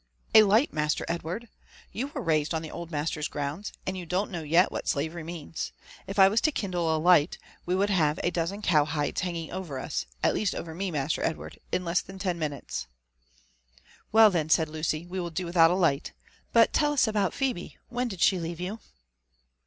'' Alight, Master Edward! — you were raised on the old master's grounds, and you don't know yet what slavery means. If I was to kindle a light, we would have a dozen cow hides hanging over us — at least over me, Master Edward^n less than ten minutes." ''Well, then," said Lucy, " we will do without a light. But tell us about Phebe — when did she leave you?"